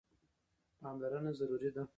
پاملرنه ضروري ده.